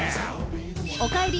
おかえり！